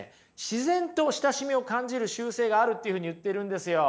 自然と親しみを感じる習性があるっていうふうに言ってるんですよ。